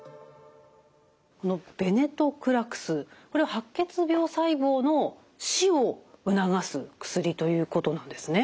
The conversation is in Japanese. このベネトクラクスこれは白血病細胞の死を促す薬ということなんですね？